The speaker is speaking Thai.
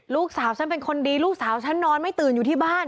ลูกสาวฉันเป็นคนดีลูกสาวฉันนอนไม่ตื่นอยู่ที่บ้าน